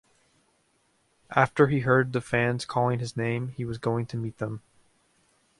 After he heard the fans calling his name he was going to meet them.